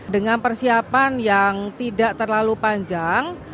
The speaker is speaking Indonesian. dengan persiapan yang tidak terlalu panjang